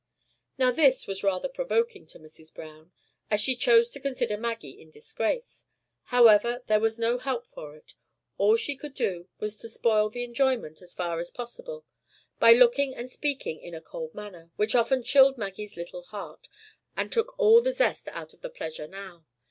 Now this was rather provoking to Mrs. Browne, as she chose to consider Maggie in disgrace. However, there was no help for it: all she could do was to spoil the enjoyment as far as possible, by looking and speaking in a cold manner, which often chilled Maggie's little heart, and took all the zest out of the pleasure now.